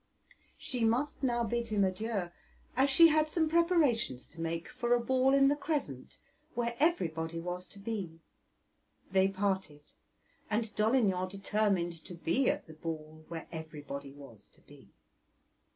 She must now bid him adieu, as she had some preparations to make for a ball in the Crescent, where everybody was to be. They parted, and Dolignan determined to be at the ball where everybody was to be.